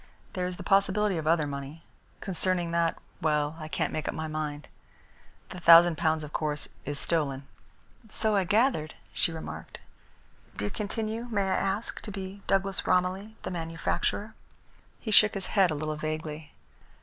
There is the possibility of other money. Concerning that well, I can't make up my mind. The thousand pounds, of course, is stolen." "So I gathered," she remarked. "Do you continue, may I ask, to be Douglas Romilly, the manufacturer?" He shook his head a little vaguely.